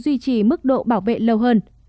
duy trì mức độ bảo vệ lâu hơn